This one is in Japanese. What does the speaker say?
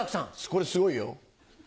これすごいよ？